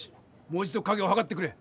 もう一度影をはかってくれ！